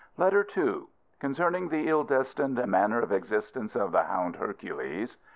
LETTER II Concerning the ill destined manner of existence of the hound Hercules.